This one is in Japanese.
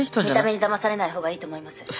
見た目にだまされないほうがいいと思います。